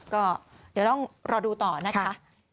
ก็เดี๋ยวต้องรอดูต่อนะคะ